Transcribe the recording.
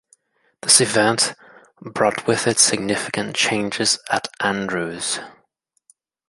This event brought with it significant changes at Andrews.